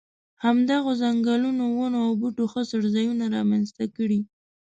همدغو ځنګلونو ونو او بوټو ښه څړځایونه را منځته کړي.